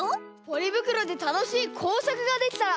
ポリぶくろでたのしいこうさくができたら。